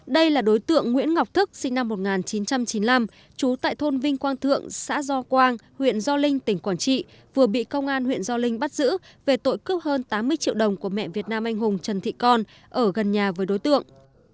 đây là đối tượng nguyễn ngọc thức sinh năm một nghìn chín trăm chín mươi năm trú tại thôn vinh quang thượng xã do quang huyện gio linh tỉnh quảng trị vừa bị công an huyện gio linh bắt giữ về tội cướp hơn tám mươi triệu đồng của mẹ việt nam anh hùng trần thị con ở gần nhà với đối tượng